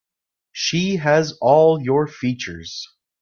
She has all your features.